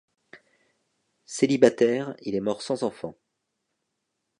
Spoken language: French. Célibataire, il est mort sans enfant.